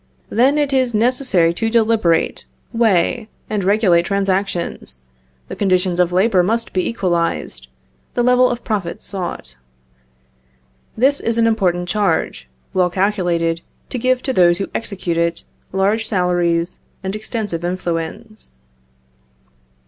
then it is necessary to deliberate, weigh, and regulate transactions, the conditions of labor must be equalized, the level of profits sought. This is an important charge, well calculated to give to those who execute it, large salaries, and extensive influence.